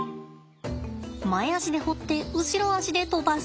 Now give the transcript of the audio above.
前足で掘って後ろ足で飛ばす。